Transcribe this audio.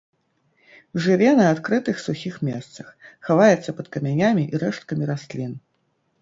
Жыве на адкрытых сухіх месцах, хаваецца пад камянямі і рэшткамі раслін.